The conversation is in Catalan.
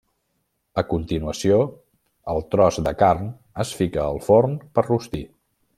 A continuació el tros de carn es fica al forn per rostir.